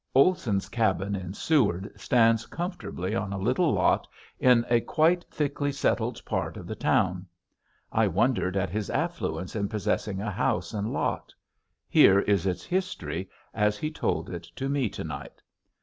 Olson's cabin in Seward stands comfortably on a little lot in a quite thickly settled part of the town. I wondered at his affluence in possessing a house and lot. Here is its history as he told it to me to night.